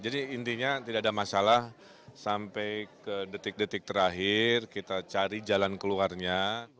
jadi intinya tidak ada masalah sampai ke detik detik terakhir kita cari jalan keluarnya